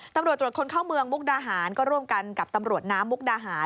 ตำรวจตรวจคนเข้าเมืองมุกดาหารก็ร่วมกันกับตำรวจน้ำมุกดาหาร